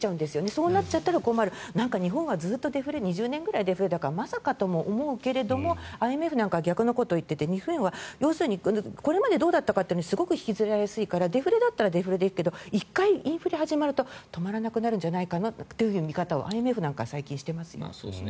そうなると困る日本はずっと２０年くらいデフレまさかとも思うけどＩＭＦなんかは逆のことを言っていて日本はこれまでどうだったかに引きずられすぎてデフレならデフレで行くけど１回インフレが始まると止まらなくなるんじゃないかという見方をＩＭＦなんかやっています。